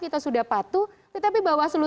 kita sudah patuh tetapi bawaslu